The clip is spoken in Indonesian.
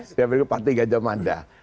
saya panggil pak tiga jam mada